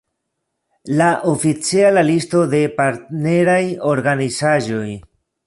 La oficiala listo de partneraj organizaĵoj.